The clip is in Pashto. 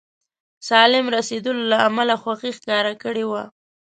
سالم رسېدلو له امله خوښي ښکاره کړې وه.